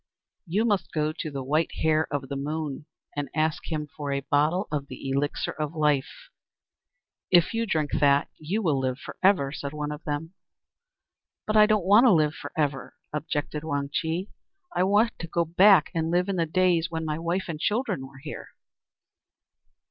"You must go to the White Hare of the Moon, and ask him for a bottle of the elixir of life. If you drink that you will live for ever," said one of them. "But I don't want to live for ever," objected Wang Chih; "I wish to go back and live in the days when my wife and children were here."